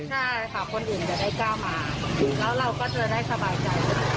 ใช่ค่ะคนอื่นจะได้กล้ามาแล้วเราก็จะได้สบายใจสบายใจด้วยค่ะ